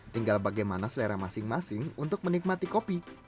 tinggal bagaimana selera masing masing untuk menikmati kopi